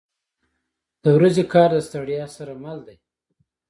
• د ورځې کار د ستړیا سره مل دی.